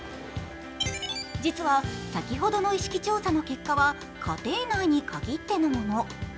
実は、先ほどの意識調査の結果は家庭内に限ってのもの。